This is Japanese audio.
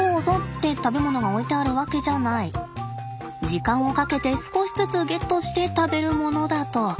時間をかけて少しずつゲットして食べるものだと。